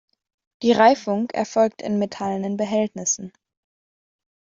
Die Reifung erfolgt in metallenen Behältnissen.